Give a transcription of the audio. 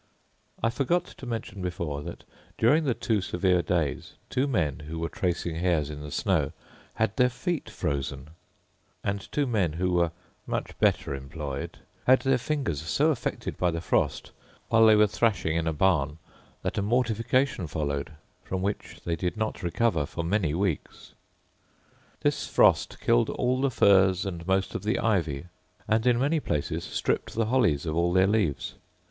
I forgot to mention before, that, during the two severe days, two men, who were tracing hares in the snow, had their feet frozen; and two men, who were much better employed, had their fingers so affected by the frost, while they were thrashing in a barn, that a mortification followed, from which they did not recover for many weeks. This frost killed all the furze and most of the ivy, and in many places stripped the hollies of all their leaves.